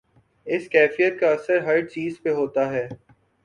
اس کیفیت کا اثر ہر چیز پہ ہوتا ہے۔